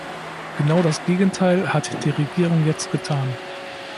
Genau das Gegenteil hat die Regierung jetzt getan.